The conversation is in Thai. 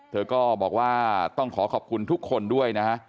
เธอก็บอกว่าต้องขอขอบคุณทุกคนด้วยนะฮะ